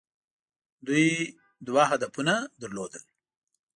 دوی دوه هدفونه لرل.